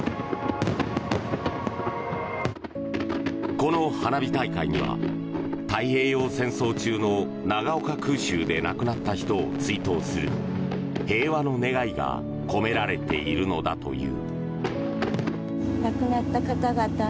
この花火大会には太平洋戦争中の長岡空襲で亡くなった人を追悼する平和の願いが込められているのだという。